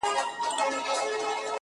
کلونه وروسته هم کيسه ژوندۍ وي،